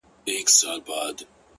هر وختي ته نـــژدې كـيــږي دا ـ